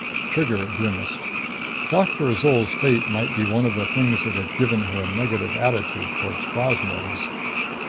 Trigger grimaced. Doctor Azol's fate might be one of the things that had given her a negative attitude towards plasmoids.